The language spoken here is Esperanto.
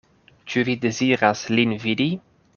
Ĉu vi deziras lin vidi?